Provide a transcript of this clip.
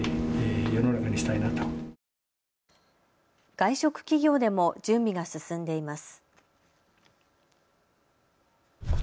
外食企業でも準備が進んでいます。